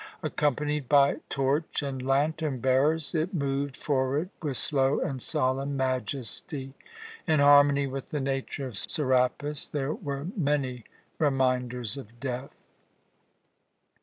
Accompanied by torch and lantern bearers, it moved forward with slow and solemn majesty. In harmony with the nature of Serapis, there were many reminders of death.